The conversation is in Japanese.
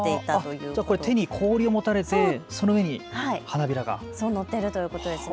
これは手に氷を持たれてその上に花びらが載ってるということですね。